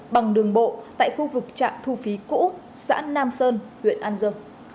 bằng đường bộ tại khu vực trạm thu phí cũ xã nam sơn huyện an dương